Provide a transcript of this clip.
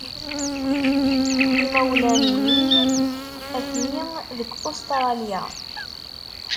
Imawlan-iny atni deg Ustṛalya.